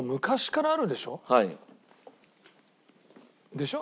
でしょ？